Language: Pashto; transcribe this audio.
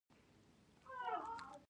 د مصرف زیاتوالی تولید پراخوي.